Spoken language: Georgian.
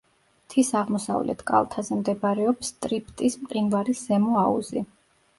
მთის აღმოსავლეთ კალთაზე მდებარეობს ტრიფტის მყინვარის ზემო აუზი.